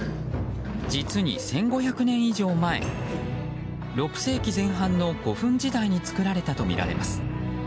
実に１５００年以上前６世紀前半の古墳時代に作られたとみられます。